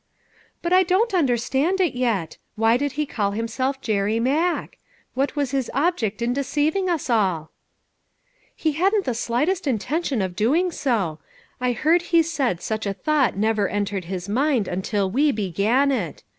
"But I don't understand it, yet. Why did he call himself Jerry Mack ? What was his ob ject in deceiving us all ?"" He hadn't the slightest intention of doing so. I heard he said such a thought never en tered his mind until we began it.